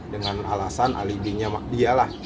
dengan alasan alibinya dia lah